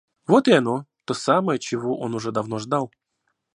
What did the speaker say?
Вот и оно, то самое, чего он уже давно ждал.